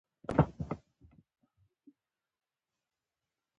زمرد د افغانستان د اوږدمهاله پایښت لپاره مهم رول لري.